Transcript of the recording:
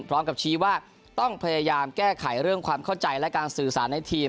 พร้อมกับชี้ว่าต้องพยายามแก้ไขเรื่องความเข้าใจและการสื่อสารในทีม